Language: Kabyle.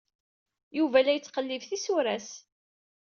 Yuba la yettqellib tisura-s.